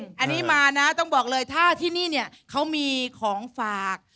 อันนี้มานะต้องบอกเลยถ้าที่นี่เนี่ยเขามีของฝาก